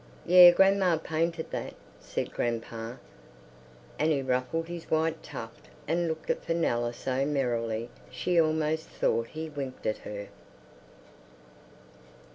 "Yer grandma painted that," said grandpa. And he ruffled his white tuft and looked at Fenella so merrily she almost thought he winked at her.